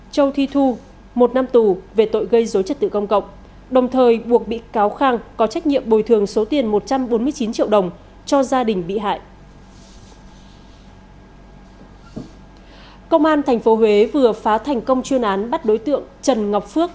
công an tp huế vừa phá thành công chuyên án bắt đối tượng trần ngọc phước